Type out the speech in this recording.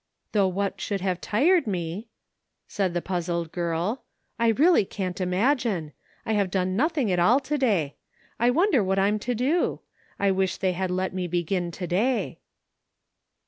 " Though what should have tired me," said the puzzled girl, ''I really cannot imagine. I have 222 A LONG, WONDERFUL DAY. done nothing at all all day ; I wonder what I'm to do? I wish they had let me begin to day."